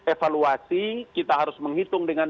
evaluasi kita harus menghitung dengan